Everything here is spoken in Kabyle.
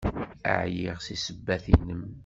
Ɛyiɣ seg ssebbat-nnem!